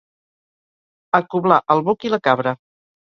Acoblar el boc i la cabra.